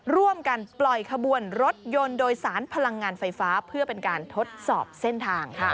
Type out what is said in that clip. ร่วมกันปล่อยขบวนรถยนต์โดยสารพลังงานไฟฟ้าเพื่อเป็นการทดสอบเส้นทาง